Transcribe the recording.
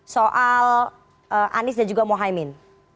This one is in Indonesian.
soal anies dan juga mohaimin